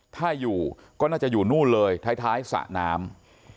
ถ้าอยู่ก็น่าจะอยู่นู่นเลยท้ายสระน้ำ